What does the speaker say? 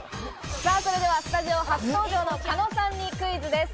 それではスタジオ初登場の狩野さんにクイズです。